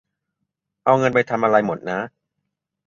เอาเงินไปทำอะไรหมดนะ